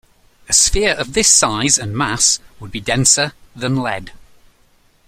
A sphere of this size and mass would be denser than lead.